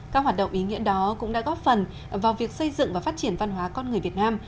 các hoạt động ý nghĩa đó cũng đã góp phần vào việc xây dựng và phát triển văn hóa con người việt nam